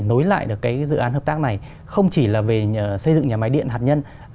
nối lại được cái dự án hợp tác này không chỉ là về xây dựng nhà máy điện hạt nhân